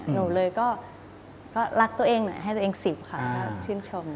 หนูเลยก็รักตัวเองให้ตัวเองสิบค่ะชื่นชม